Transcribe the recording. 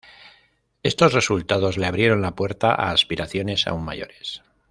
Estos resultados le abrieron la puerta a aspiraciones aún mayores.